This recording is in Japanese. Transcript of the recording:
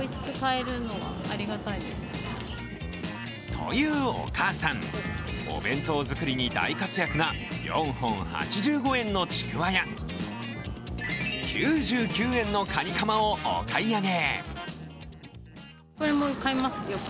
というお母さん、お弁当作りに大活躍な４本８５円のちくわや、９９円のカニカマをお買い上げ。